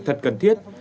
thật cần thiết